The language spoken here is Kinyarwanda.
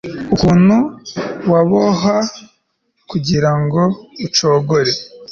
n'ukuntu wabohwa kugira ngo ucogore